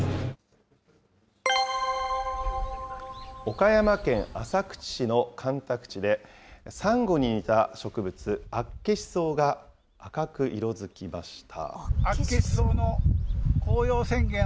岡山県浅口市の干拓地で、サンゴに似た植物、アッケシソウが赤く色づきました。